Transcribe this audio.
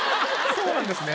そうなんですね。